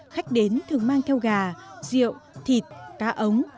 khách đến thường mang theo gà rượu thịt cá ống